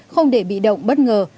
không để bị động bất ngờ